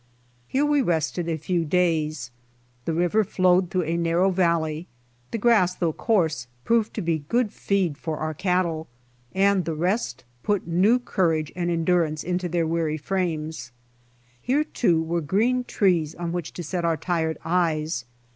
Here we rested a few days. The river flowed through a narrow val ley. The grass, though coarse, proved to be good feed for our cattle, and the rest put new courage and endurance in their weary frames. Here, too, were green trees on which to set our tired eyes.